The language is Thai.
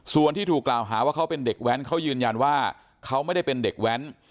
ส่วนที่ถูกกล่าวหาว่าเขาเป็นเด็กแว้นเขายืนยันว่าเขาไม่ได้เป็นเด็กแว้น